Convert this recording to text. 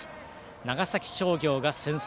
長崎商業が先制